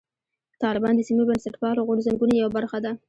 طالبان د سیمې بنسټپالو غورځنګونو یوه برخه ده.